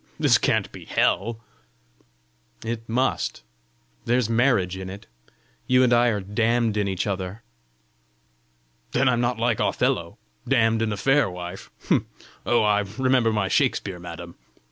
This can't be hell!" "It must: there's marriage in it! You and I are damned in each other." "Then I'm not like Othello, damned in a fair wife! Oh, I remember my Shakspeare, madam!"